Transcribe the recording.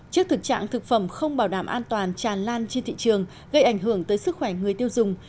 trước thực trạng thực phẩm không bảo đảm an toàn tràn lan trên thị trường gây ảnh hưởng tới sức khỏe người tiêu dùng